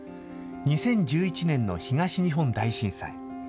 ２０１１年の東日本大震災。